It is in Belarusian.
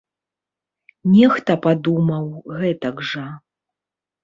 Нехта падумаў гэтак жа.